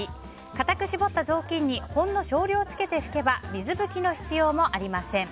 固く絞った雑巾にほんの少量つけて拭けば水拭きの必要もありません。